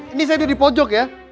ini saya ada di pojok ya